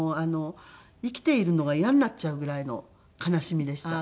生きているのが嫌になっちゃうぐらいの悲しみでした。